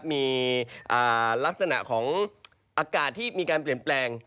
มีลักษณะของอากาศที่มีการเปลี่ยนแปลง